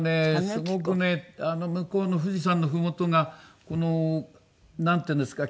すごくね向こうの富士山のふもとがなんていうんですか？